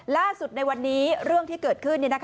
ในวันนี้เรื่องที่เกิดขึ้น